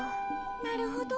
なるほど。